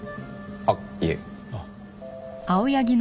あっいえ。